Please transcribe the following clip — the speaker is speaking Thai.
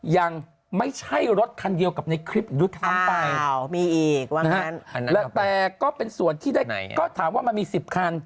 ยังไม่ใช่รถคันเดียวกับในคลิปอีกด้วยซ้ำไปมีอีกแต่ก็เป็นส่วนที่ได้ก็ถามว่ามันมี๑๐คัน